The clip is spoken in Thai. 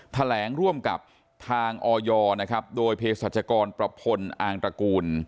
แถลงร่วมกับทางออยนะครับโดยเพศรัชกรประพลอางตระกูล